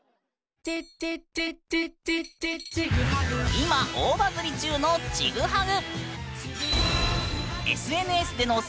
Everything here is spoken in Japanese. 今大バズりちゅうの「チグハグ」！